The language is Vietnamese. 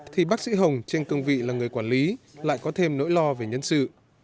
thì bác sĩ hồng trên cương vị là người quản lý lại có thêm nỗi lo về nhân sự